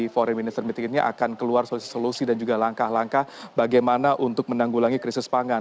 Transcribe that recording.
forei minister meeting ini akan keluar solusi solusi dan juga langkah langkah bagaimana untuk menanggulangi krisis pangan